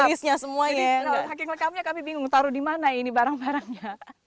jadi kalau kaki lengkapnya kami bingung taruh di mana ini barang barangnya